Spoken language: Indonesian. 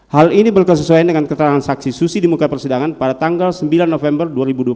hal ini berkesesuaian dengan keterangan saksi susi di muka persidangan pada tanggal sembilan november dua ribu dua puluh